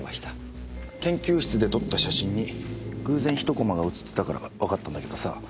研究室で撮った写真に偶然１コマが写ってたからわかったんだけどさ